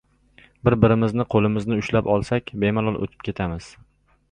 Birbirimizni qo‘limizni ushlab olsak, bemalol o‘tib ketamiz